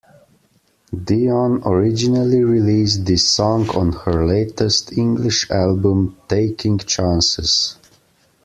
Dion originally released this song on her latest English album "Taking Chances".